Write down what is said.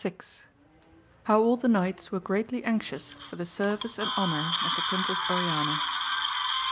YI. — How all the Knights were greatly anxious for the senrice and honour of the princess Oriana.